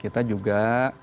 kita juga menjaga